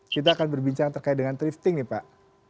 kita akan berbincang terkait dengan thrifting nih pak